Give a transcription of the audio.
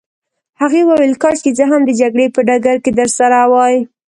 هغې وویل: کاشکې زه هم د جګړې په ډګر کي درسره وای.